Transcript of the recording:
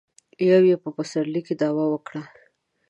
يو يې په پسرلي کې دعوه وکړه.